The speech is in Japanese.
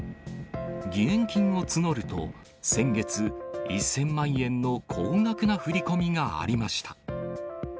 義援金を募ると、先月、１０００万円の高額な振り込みがありました。